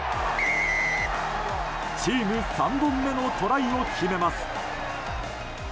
チーム３本目のトライを決めます。